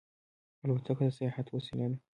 الوتکه د سیاحت وسیله ده.